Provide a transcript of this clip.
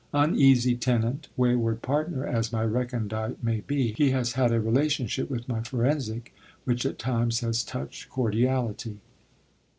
Uneasy tenant, wayward partner as my recondite may be, he has had a relationship with my forensic which at times has touched cordiality.